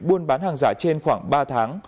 buôn bán hàng giả trên khoảng ba tháng